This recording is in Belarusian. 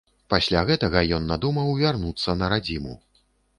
Пасля гэтага ён і надумаў вярнуцца на радзіму.